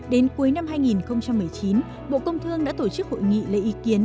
đến cuối năm hai nghìn một mươi chín bộ công thương đã tổ chức hội nghị lấy ý kiến